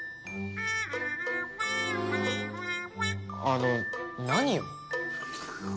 あの何を？